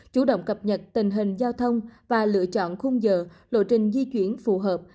chủ động cập nhật tình hình giao thông và lựa chọn khung giờ lộ trình di chuyển phù hợp